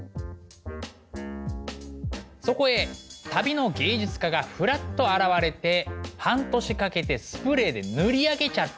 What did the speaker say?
そこへ旅の芸術家がフラっと現れて半年かけてスプレーで塗り上げちゃったんだな。